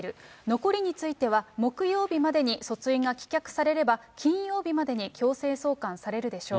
残りについては、木曜日までに訴追が棄却されれば、金曜日までに強制送還されるでしょう。